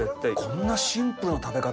こんなシンプルな食べ方。